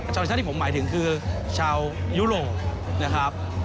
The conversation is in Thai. ชาวต่างชาติที่ผมหมายถึงคือชาวยุโรปนะครับ